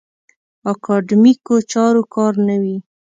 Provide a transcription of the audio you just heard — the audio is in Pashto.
اکاډیمیکو چارو کار نه وي.